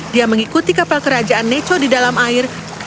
dia mengikuti kapal kerajaan neco di dalam air